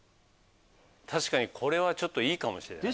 確かにこれはいいかもしれない。